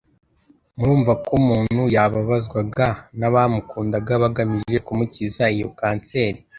Murumva ko umuntu yababazwaga n'abamukunda bagamije kumukiza iyo kanseri.